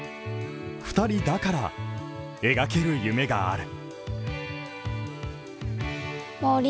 ２人だから描ける夢がある。